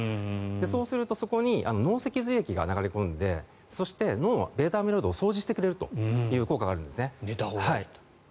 そうするとそこに脳脊髄液が流れ込んでそして、脳のベータアミロイドを掃除してくれる効果があるんですよ。